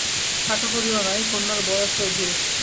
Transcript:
টাকাকড়িও নাই, কন্যার বয়সও অধিক।